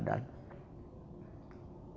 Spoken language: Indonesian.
antara lain dia sampaikan